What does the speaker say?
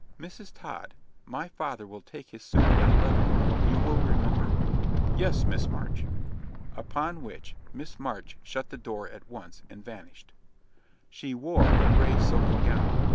"Mrs. Tod, my father will take his soup at eleven. You will remember?" "Yes, Miss March." Upon which, Miss March shut the door at once, and vanished. She wore a grey silken gown.